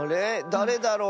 だれだろう。